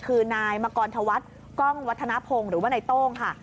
คือนายมกรธวัฒน์กล้องวัฒนภงหรือว่านายโต้งค่ะ